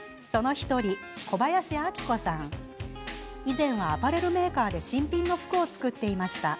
以前はアパレルメーカーで新品の服を作っていました。